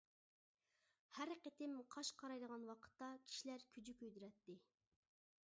ھەر قېتىم قاش قارايغان ۋاقىتتا كىشىلەر كۈجە كۆيدۈرەتتى.